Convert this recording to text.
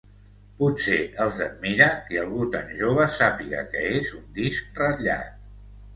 Potser els admira que algú tan jove sàpiga què és un disc ratllat.